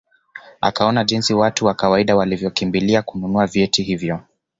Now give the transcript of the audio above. Akaona jinsi watu wa kawaida walivyokimbilia kununua vyeti hivyo